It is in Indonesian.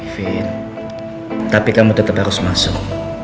vin tapi kamu tetep harus masuk